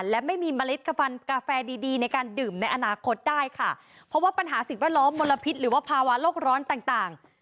และไม่มีเมล็ดฟันกาแฟดีดีในการดื่มในอนาคตได้ค่ะเพราะว่าปัญหาสิ่งแวดล้อมมลพิษหรือว่าภาวะโลกร้อนต่างต่าง